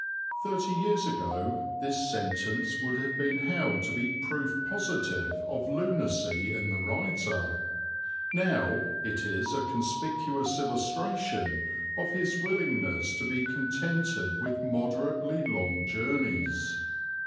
Thirty years ago this sentence would have been held to be proof positive of lunacy in the writer; now it is a conspicuous illustration of his willingness to be contented with moderately long journeys.